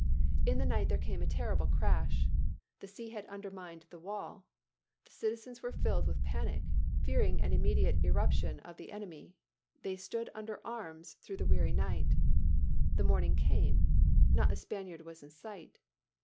In the night there came a terrible crash. The sea had undermined the wall. The citizens were filled with panic, fearing an immediate irruption of the enemy. They stood under arms through the weary night. The morning came. Not a Spaniard was in sight.